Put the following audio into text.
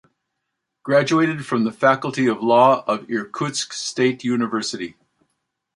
Graduated from the Faculty of Law of Irkutsk State University.